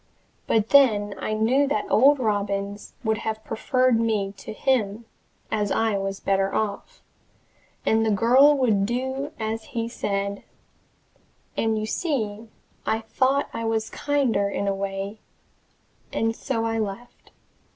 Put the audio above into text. But then I knew that old Robins would have preferred me to him, as I was better off and the girl would do as he said and, you see, I thought I was kinder in the way and so I left.